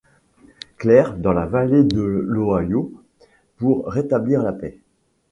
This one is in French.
Clair dans la vallée de l'Ohio pour rétablir la paix.